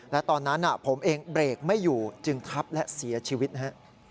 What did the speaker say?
และตอนนั้นผมเองเบรกไม่อยู่จึงทับและเสียชีวิตนะฮะ